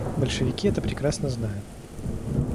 Большевики это прекрасно знают.